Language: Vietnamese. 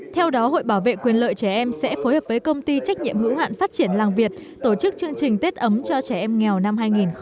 theo đó hội bảo vệ quyền lợi trẻ em sẽ phối hợp với công ty trách nhiệm hữu hạn phát triển làng việt tổ chức chương trình tết ấm cho trẻ em nghèo năm hai nghìn hai mươi